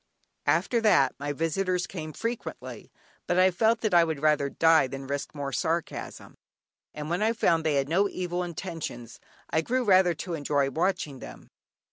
After that my visitors came frequently, but I felt that I would rather die than risk more sarcasm, and when I found they had no evil intentions I grew rather to enjoy watching them.